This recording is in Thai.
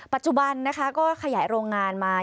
ปัจจุบันนะคะก็ขยายโรงงานมา